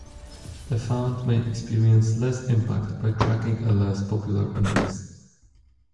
A fund may experience less impact by tracking a less popular index.